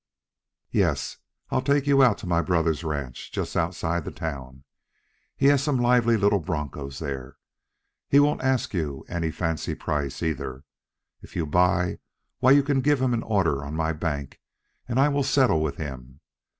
"Yes; I'll take you out to my brother's ranch just outside the town. He has some lively little bronchos there. He won't ask you any fancy price, either. If you buy, why, you can give him an order on my bank and I will settle with him.